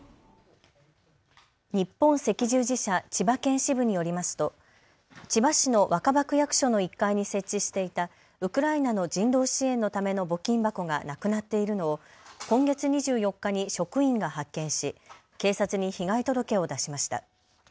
日本赤十字社千葉県支部によりますと千葉市の若葉区役所の１階に設置していたウクライナの人道支援のための募金箱がなくなっているのを今月２４日に職員が発見し警察に被害届を出しました。